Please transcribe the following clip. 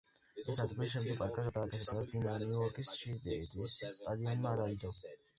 ეს ადგილი შემდეგ პარკად გადაკეთდა, სადაც ბინა ნიუ-იორკის შის სტადიონმა დაიდო.